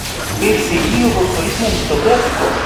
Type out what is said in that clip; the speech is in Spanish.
Perseguido por su origen aristocrático.